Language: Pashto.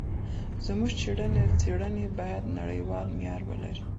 زموږ څېړني باید نړیوال معیار ولري.